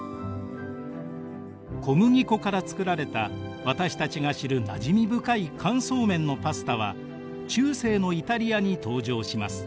小麦粉から作られた私たちが知るなじみ深い乾燥麺のパスタは中世のイタリアに登場します。